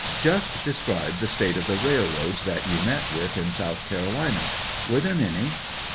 Just describe the state of the railroads that yoa met with in South Carolina; were there many?